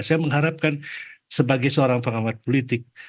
saya mengharapkan sebagai seorang pengamat politik